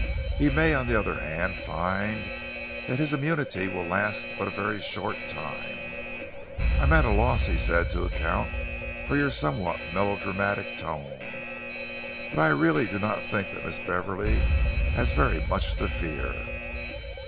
He may, on the other hand, find that his immunity will last but a very short time." Jocelyn Thew nodded in calm acquiescence. "I am at a loss," he said, "to account for your somewhat melodramatic tone, but I really do not think that Miss Beverley has very much to fear."